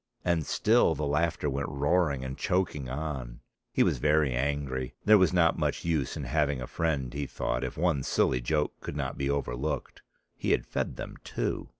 And still the laughter went roaring and choking on. He was very angry. There was not much use in having a friend, he thought, if one silly joke could not be overlooked; he had fed them too.